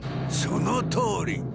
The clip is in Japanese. そのとおり！